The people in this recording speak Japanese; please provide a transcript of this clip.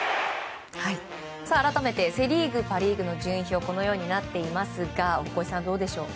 改めてセ・リーグ、パ・リーグの順位表このようになっていますが大越さん、どうでしょう？